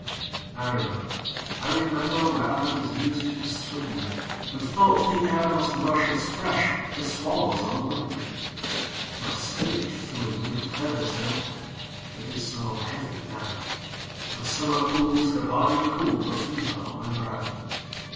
I remember, I remember, Where I was used to swing, And thought the air must rush as fresh To swallows on the wing; My spirit flew in feathers then, That is so heavy now, And summer pools could hardly cool The fever on my brow!